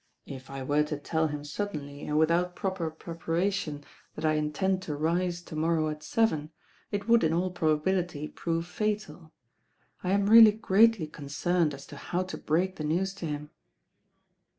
"If I were to tell him suddenly and without proper preparation that I intend to rise to morrow at seven, it would in all probability prove fatal. I am really greatly concerned as to how to break the news to him."